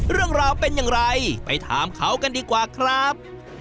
เรื่องราวเป็นอย่างไรไปถามเขากันดีกว่าครับ